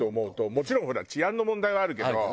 もちろんほら治安の問題はあるけど。